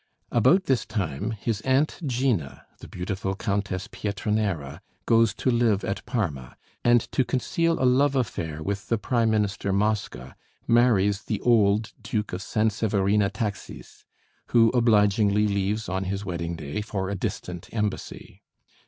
About this time his aunt Gina, the beautiful Countess Pietranera, goes to live at Parma; and to conceal a love affair with the prime minister Mosca marries the old Duke of Sanseverina Taxis, who obligingly leaves on his wedding day for a distant embassy.